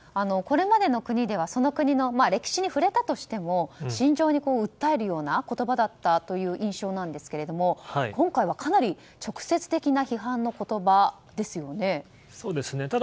これまでの国ではその国の歴史に触れたとしても心情に訴えるような言葉だったという印象なんですが今回はかなり直接的な批判の言葉ですよね。